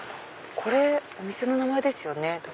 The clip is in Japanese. これお店の名前ですよね多分。